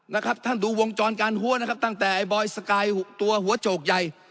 นะครับท่านดูวงจรการหัวนะครับตั้งแต่ไอ้บอยสกายตัวหัวโจกใหญ่